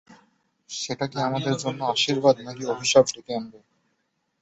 সেটা কী আমাদের জন্য আশীর্বাদ নাকি অভিশাপ ডেকে আনবে!